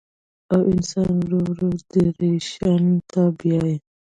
او انسان ورو ورو ډپرېشن ته بيائي